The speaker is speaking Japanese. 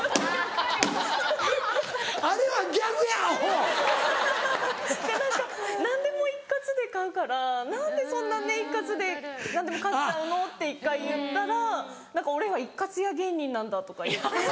あれはギャグやアホ！で何か何でも一括で買うから何で一括で何でも買っちゃうの？って１回言ったら「俺は一括屋芸人なんだ」とか言って。